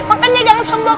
makanya jangan sembok